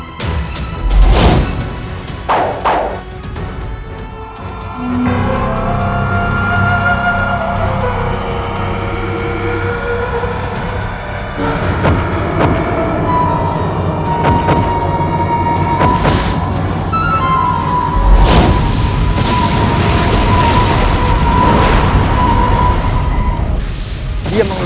aku akan menang